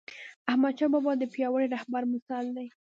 احمدشاه بابا د پیاوړي رهبر مثال دی..